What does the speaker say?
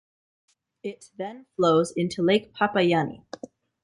It then flows into Lake Papaianni.